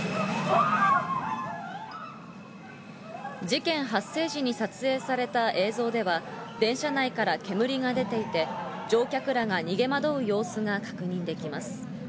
事件発生時に撮影された映像では、電車内から煙が出ていて、乗客らが逃げ惑う様子が確認できます。